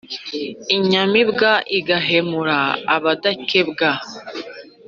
inyamibwa igahemura abadakekwa